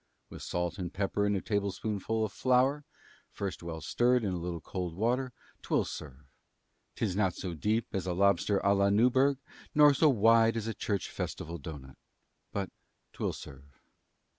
With salt and pepper and a tablespoonful of flour (first well stirred in a little cold water) 'twill serve 'tis not so deep as a lobster à la Newburg nor so wide as a church festival doughnut; but 'twill serve.